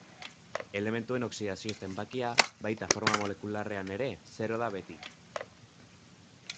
Elementuen oxidazio-zenbakia, baita forma molekularrean ere, zero da beti.